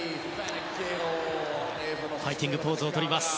ファイティングポーズをとりました。